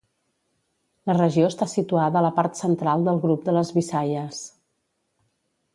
La regió està situada a la part central del grup de les Visayas.